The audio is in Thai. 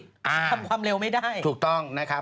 ทำความเร็วไม่ได้ถูกต้องนะครับ